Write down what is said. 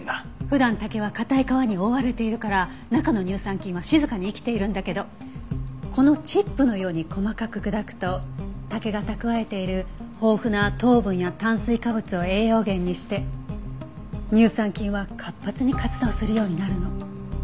普段竹は硬い皮に覆われているから中の乳酸菌は静かに生きているんだけどこのチップのように細かく砕くと竹が蓄えている豊富な糖分や炭水化物を栄養源にして乳酸菌は活発に活動するようになるの。